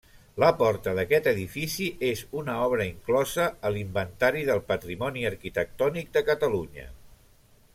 La porta d'aquest edifici és una obra inclosa a l'Inventari del Patrimoni Arquitectònic de Catalunya.